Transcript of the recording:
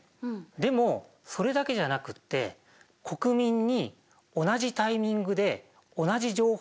でもそれだけじゃなくって国民に同じタイミングで同じ情報をインプットしたい。